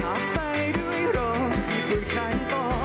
หาไปด้วยโรคที่พูดฉันต่อ